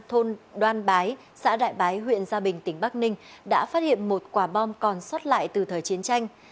thôn đoan bái xã đại bái huyện gia bình tỉnh bắc ninh đã phát hiện một quả bom còn sót lại từ thời chiến tranh